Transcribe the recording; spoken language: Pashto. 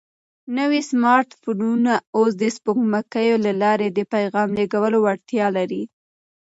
نوي سمارټ فونونه اوس د سپوږمکیو له لارې د پیغام لېږلو وړتیا لري.